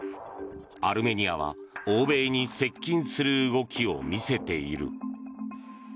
アルメニアは、欧米に接近する動きを見せている。